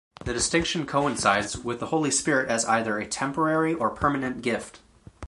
The distinction coincides with the Holy Spirit as either a temporary or permanent gift.